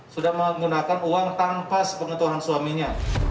sudah menggunakan uang tanpa sepengetuhan suaminya